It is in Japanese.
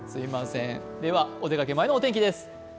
お出かけ前のお天気です。